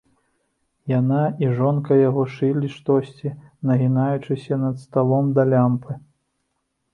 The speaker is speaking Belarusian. Яна і жонка яго шылі штосьці, нагінаючыся над сталом да лямпы.